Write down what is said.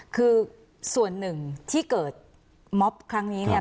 คือส่วนหนึ่งที่เกิดม็อบครั้งนี้เนี่ย